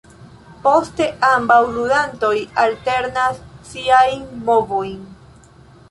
Poste ambaŭ ludantoj alternas siajn movojn.